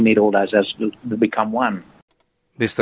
kita butuh semua itu untuk menjadi satu